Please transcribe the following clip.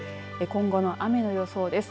今後の雨の予想です。